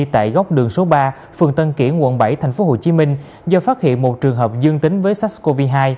tại góc đường số ba phường tân kiển quận bảy tp hcm do phát hiện một trường hợp dương tính với sars cov hai